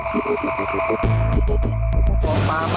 มคหญิงสมียศที่ธรรมดนาฬิกา